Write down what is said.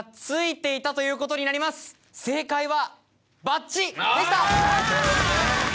正解はバッジでした！